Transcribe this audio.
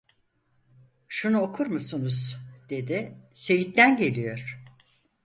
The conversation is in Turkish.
"Şunu okur musunuz?" dedi, "Seyit'ten geliyor!"